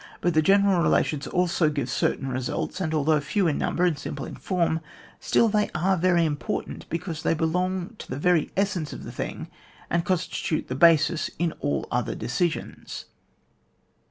But the general relations also give certain results, and although few in number and simple in form, still they are very important, because they belong to the very essence of the thing, and con stitute the basis in all other decisions.